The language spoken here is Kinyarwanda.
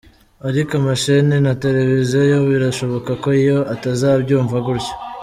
Ariko amasheni ya televiziyo yo birashoboka ko yo atazabyumva gutyo.